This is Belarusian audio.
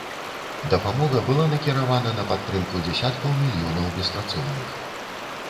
Дапамога была накіравана на падтрымку дзясяткаў мільёнаў беспрацоўных.